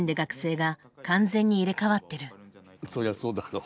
そりゃそうだろう。